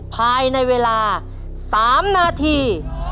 ภายในเวลา๓นาที